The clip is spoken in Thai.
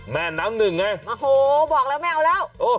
แม่น้ำหนึ่งไงโอ้โหบอกแล้วไม่เอาแล้ว